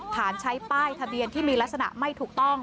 ใช้ป้ายทะเบียนที่มีลักษณะไม่ถูกต้อง